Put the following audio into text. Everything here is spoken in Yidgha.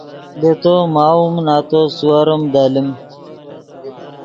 لے تو ماؤم نتو سیورم دلیم